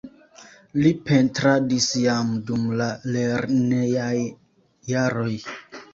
Li pentradis jam dum la lernejaj jaroj.